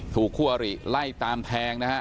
ถูกคว่าริไล่ตามแทง